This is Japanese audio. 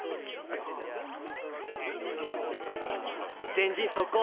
前陣速攻。